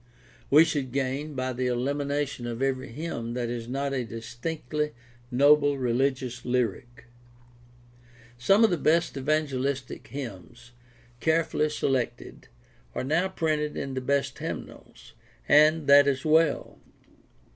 We should gain by the elimination of every hymn that is not a distinctly noble religious lyric. Some of the best evangelistic hynms, carefully selected, are now printed in the best hymnals, and that is well.